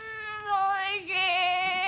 おいしい！